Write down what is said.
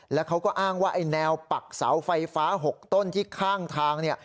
แล้วเขาก็อ้างว่าไอ้แนวปักเสาไฟฟ้า๖ต้นที่ข้างทาง